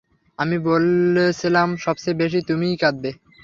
আমি বলেছিলাম না, সবচেয়ে বেশি তুমিই কাঁদবে।